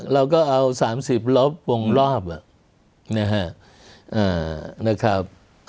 เราก็เอาสามสิบลบวงรอบนะครับ